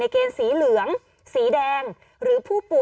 กล้องกว้างอย่างเดียว